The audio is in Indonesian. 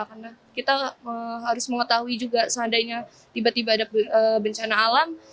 karena kita harus mengetahui juga seandainya tiba tiba ada bencana alam